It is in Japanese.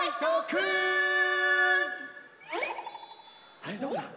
あれどこだ？